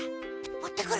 持ってくる。